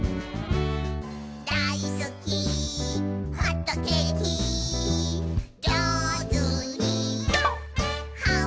「だいすきホットケーキ」「じょうずにはんぶんこ！」